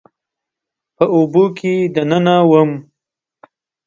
په اوبو کې دننه وم